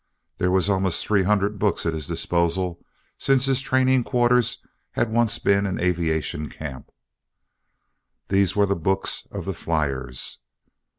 There were almost three hundred books at his disposal, since his training quarters had once been an aviation camp. These were the books of the fliers.